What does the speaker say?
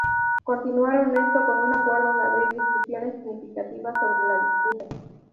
Continuaron esto con un acuerdo de abrir discusiones significativas sobre la disputa.